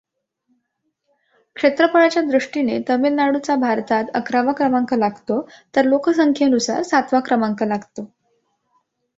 क्षेत्रफळाच्या दृष्टीने तमिळनाडूचा भारतात अकरावा क्रमांक लागतो तर लोकसंख्येनुसार सातवा क्रमांक लागतो.